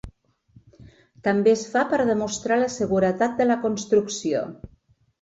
També es fa per demostrar la seguretat de la construcció.